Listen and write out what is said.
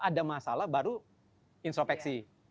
ada masalah baru intropeksi